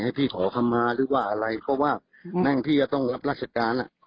ให้พี่ขอคำมาหรือว่าอะไรก็ว่าแม่งพี่จะต้องรับราชการ